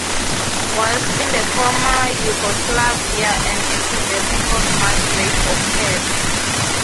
Whilst in the former Yugoslavia an epidemic of mass rape occurred.